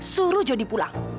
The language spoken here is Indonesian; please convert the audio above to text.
suruh jodi pulang